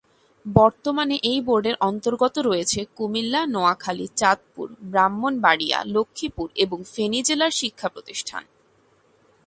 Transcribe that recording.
বর্তমানে এই বোর্ড-এর অন্তর্গত রয়েছে কুমিল্লা, নোয়াখালী, চাঁদপুর, ব্রাহ্মণবাড়িয়া, লক্ষ্মীপুর এবং ফেনী জেলার শিক্ষা প্রতিষ্ঠান।